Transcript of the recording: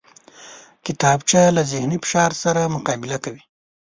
کتابچه له ذهني فشار سره مقابله کوي